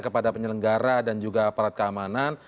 kepada penyelenggara dan juga aparat keamanan